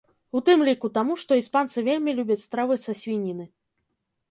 У тым ліку таму, што іспанцы вельмі любяць стравы са свініны.